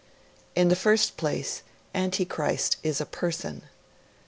In the first place, Antichrist is a person.